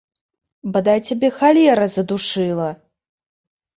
Бадай цябе халера задушыла!